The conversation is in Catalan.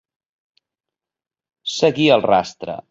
Seguir el rastre.